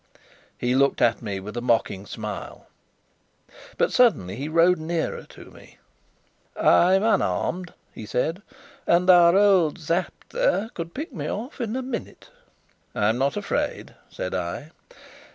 He looked at me with a mocking smile; but suddenly he rode nearer to me. "I'm unarmed," he said; "and our old Sapt there could pick me off in a minute." "I'm not afraid," said I.